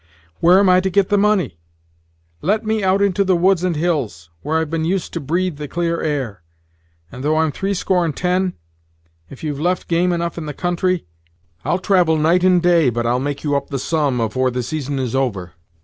"Where am I to get the money? Let me out into the woods and hills, where I've been used to breathe the clear air, and though I'm threescore and ten, if you've left game enough in the country, I'll travel night and day but I'll make you up the sum afore the season is over.